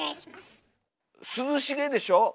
涼しげでしょ？